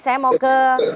saya mau ke